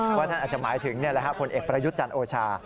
เพราะท่านอาจจะหมายถึงเนี่ยแหละคนเอกประยุทธิ์จันทร์โอชา